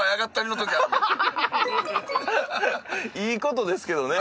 いい事ですけどね